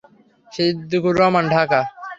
Siddiqur Rahman, Dhaka.